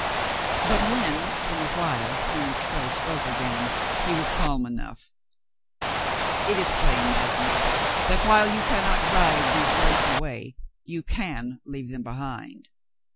But when, in ,a while, Colonel Stow spoke again, he was calm enough. "It is plain, madame, that, while you can not drive these rogues away, you can leave them behind.